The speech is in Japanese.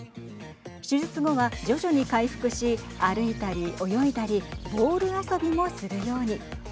手術後は徐々に回復し歩いたり泳いだりボール遊びもするように。